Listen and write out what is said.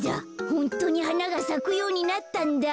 ホントにはながさくようになったんだ。